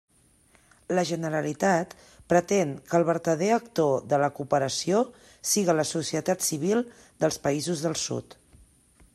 La Generalitat pretén que el vertader actor de la cooperació siga la societat civil dels països del Sud.